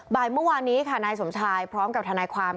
บ่ายเมื่อวานนี้ค่ะนายสมชายพร้อมกับทนายความ